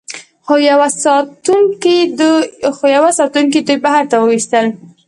خو یوه ساتونکي دوی بهر ته وویستل